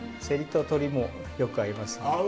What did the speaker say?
せりと鶏もよく合いますね。